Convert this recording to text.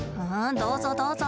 どうぞどうぞ。